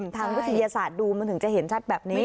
มีความกญศีเศษดูมันถึงจะเห็นชัดแบบนี้